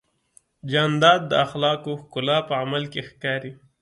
جانداد د اخلاقو ښکلا په عمل کې ښکاري.